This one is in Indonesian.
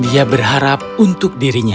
dia berharap untuk dirinya